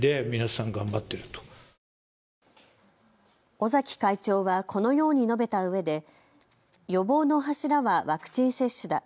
尾崎会長はこのように述べたうえで予防の柱はワクチン接種だ。